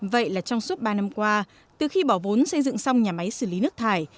vậy là trong suốt ba năm qua từ khi bỏ vốn xây dựng xong nhà máy xử lý nước thải